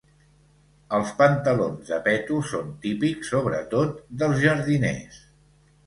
Els pantalons de peto són típics, sobretot, dels jardiners.